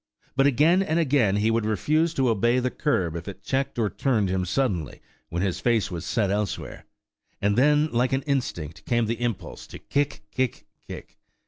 But again and again he would refuse to obey the curb if it checked or turned him suddenly when his face was set elsewhere; and then like an instinct came the impulse to kick, kick, kick!